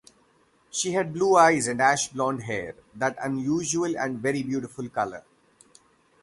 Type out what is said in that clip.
She had blue eyes and ash blond hair (that unusual and very beautiful color).